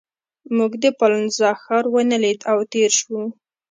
موږ د پالنزا ښار ونه لید او تېر شوو.